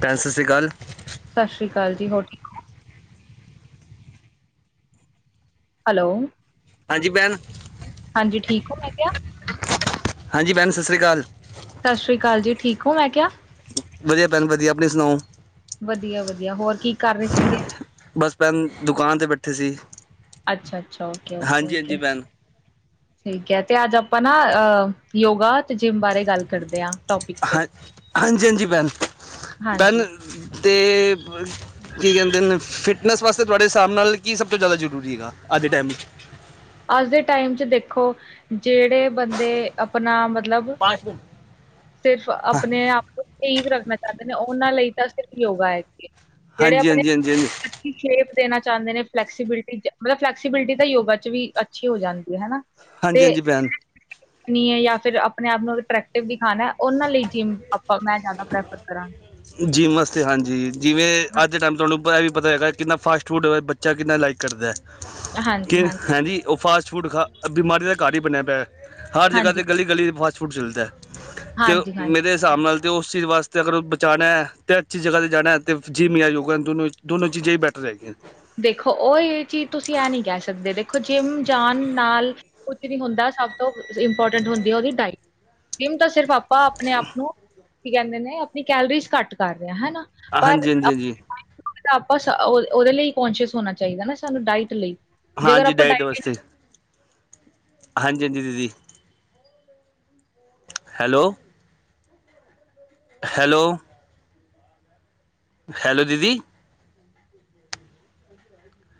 ਭੈਣ, ਸਤਿ ਸ੍ਰੀ ਅਕਾਲ। ਸਤਿ ਸ਼੍ਰੀ ਅਕਾਲ ਜੀ। ਹੋਰ, ਠੀ ਹੈਲੋ। ਹਾਂਜੀ ਭੈਣ, ਹਾਂਜੀ ਠੀਕ ਹੋ ਮੈਂ ਕਿਹਾ ਹਾਂਜੀ ਭੈਨ, ਸਤਿ ਸ਼੍ਰੀ ਅਕਾਲ। ਸਤਿ ਸ਼੍ਰੀ ਅਕਾਲ ਜੀ। ਠੀਕ ਹੋ, ਮੈਂ ਕਿਆ? ਵਧੀਆ ਭੈਨ ਵਧੀਆ। ਆਪਣੀ ਸੁਣਾਓ? ਵਧੀਆ-ਵਧੀਆ ਹੋਰ ਕੀ, ਕਰ ਰਹੇ ਸੀਗੇ? ਭੈਨ, ਦੁਕਾਨ ਤੇ ਬੈਠੇ ਸੀ। ਅੱਛਾ-ਅੱਛਾ, ਓਕੇ-ਓਕੇ, ਹਾਂਜੀ ਹਾਂਜੀ ਓਕੇ। ਭੈਣ ਠੀਕ ਹੈ, ਤੇ ਅੱਜ ਆਪਾਂ ਨਾ, ਅਹ ਯੋਗਾ ਤੇ ਜਿੰਮ ਬਾਰੇ ਗੱਲ ਕਰਦੇ ਹਾਂ। ਟੋਪਿਕ ਤੇ ਹਾਂ, ਹਾਂਜੀ-ਹਾਂਜੀ ਭੈਨ, ਭੈਨ ਹਾਂਜੀ ਤੇ ਕੀ ਕਹਿੰਦੇ ਨੇ, ਫਿਟਨੈਸ ਵਾਸਤੇ ਤੁਹਾਡੇ ਹਿਸਾਬ ਨਾਲ ਕੀ ਸਭ ਤੋਂ ਜ਼ਿਆਦਾ ਜ਼ਰੂਰੀ ਹੈਗਾ, ਅੱਜ ਦੇ ਟਾਈਮ ਵਿੱਚ। ਅੱਜ ਦੇ ਟਾਈਮ 'ਚ ਦੇਖੋ, ਜਿਹੜੇ ਬੰਦੇ ਆਪਣਾ ਮਤਲਬ ਆਸ [unintelligible] ਸਿਰਫ ਆਪਣੇ ਆਪ ਨੂੰ ਠੀਕ ਰੱਖਣਾ ਚਾਹੁੰਦੇ ਨੇ, ਉਹਨਾਂ ਲਈ ਤਾਂ ਸਿਰਫ ਯੋਗਾ ਹੈ। ਜਿਹੜੇ ਹਾਂਜੀ- ਆਪਣੇ ਹਾਂਜੀ-ਹਾਂਜੀ-ਹਾਂਜੀ। ਸ਼ੇਪ ਦੇਣਾ ਚਾਂਦੇ ਨੇ, ਫਲੈਕਸੀਬਿਲਟੀ ਮਤਲਬ, ਫਲੈਕਸੀਬਿਲਿਟੀ ਤਾਂ ਯੋਗਾ 'ਚ ਵੀ ਅੱਛੀ ਹੋ ਜਾਂਦੀ ਹੈ, ਹਨਾ। ਹਾਂਜੀ-ਹਾਂਜੀ, ਭੈਨ। ਨੀ ਆ, ਯਾ ਫਿਰ ਆਪਣੇ ਆਪ ਨੂੰ ਅਟਰੈਕਟਿਵ ਦਿਖਾਣਾ ਉਹਨਾਂ ਲਈ ਜਿੰਮ ਆਪਾਂ ਮੈਂ, ਜ਼ਿਆਦਾ ਪ੍ਰੈਫਰ ਕਰਾਂਗੀ। ਜਿੰਮ ਵਸਤੇ ਹਾਂਜੀ, ਜਿਵੇਂ ਹਾਂ, ਅੱਜ ਦੇ ਟਾਈਮ ਤੁਹਾਨੂੰ ਐ ਵੀ ਪਤਾ ਹੈਗਾ, ਕਿੰਨਾ ਫਾਸਟ-ਫੂਡ ਵੇ ਬੱਚ ਬੱਚਾ ਕਿੰਨਾ ਲਾਈਕ ਕਰਦਾ। ਕਿ ਹਾਂਜੀ, ਉਹ ਫਾਸਟ-ਫੂਡ ਖਾ, ਬਿਮਾਰੀ ਦਾ ਘਰ ਹੀ ਬਣਿਆ ਪਿਆ। ਹਾਂਜੀ, ਗਲੀ- ਗਲੀ'ਚ ਫਾਸਟਫੂਡ ਚਲਦਾ ਤੇ, ਹਾਂਜੀ, ਮੇਰੇ ਹਿਸਾਬ ਹਾਂਜੀ। ਨਾਲ ਅਤੇ ਉਸ ਚੀਜ਼ ਵਾਸਤੇ ਅਗਰ ਉਹ ਬਚਾਣਾ, ਅਤੇ ਅੱਛੀ ਜਗਾ 'ਤੇ ਜਾਣਾ ਅਤੇ ਜਿਮ, ਯਾਂ ਯੋਗਾ ਤੁਹਾਨੂੰ ਦੋਨੋ ਚੀਜ਼ਾਂ ਹੀ ਬੈਟਰ ਹੈਗੀਆ ਨੇ। ਦੇਖੋ, ਉਹ ਇਹ ਚੀਜ਼ ਤੁਸੀਂ ਇਹ ਨਹੀਂ ਕਹਿ ਸਕਦੇ, ਦੇਖੋ ਜਿੰਮ ਜਾਣ ਨਾਲ ਕੁਛ ਨੀ ਹੁੰਦਾ, ਸਭ ਤੋਂ ਇੰਪੋਰਟੈਂਟ ਹੁੰਦੀ ਆ, ਉਹਦੀ ਡਾਇਟ। ਜਿੰਮ ਤਾਂ ਸਿਰਫ ਆਪ ਆਪਾਂ ਆਪਣੇ ਆਪ ਨੂੰ, ਕੀ ਕਹਿੰਦੇ ਨੇ ਆਪਣੀ ਕੈਲਰੀਜ਼ ਘੱਟ ਕਰ ਰਹੇ ਹਾਂ, ਹਨਾ। ਪਰ ਹਾਂਜੀ ਹਾਂਜੀ ਹਾਂਜੀ ਆਪਾਂ ਉਹਦੇ ਲਈ ਕੋਂਸ਼ੀਅਸ ਹੋਣਾ ਚਾਹੀਦਾ ਨਾ, ਸਾਨੂੰ ਡਾਇਟ ਲਈ। ਜੇਕਰ ਹਾਂਜੀ, ਆਪਾਂ ਡਾਇਟ ਵਾਸਤੇ। ਹਾਂਜੀ-ਹਾਂਜੀ, ਦੀਦੀ। ਹੈਲੋ। ਹੈਲੋ। ਹੈਲੋ ਦੀਦੀ।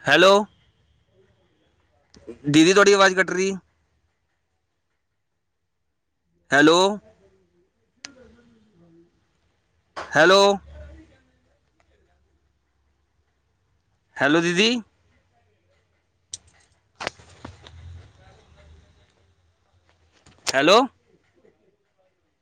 ਹੈਲੋ। ਦੀਦੀ, ਤੁਹਾਡੀ ਆਵਾਜ਼ ਕੱਟ ਰਹੀ। ਹੈਲੋ। ਹੈਲੋ! ਹੈਲੋ, ਦੀਦੀ। ਹੈਲੋ!